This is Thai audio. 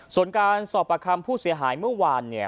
ส่วนการสอบประคำผู้เสียหายเมื่อวาน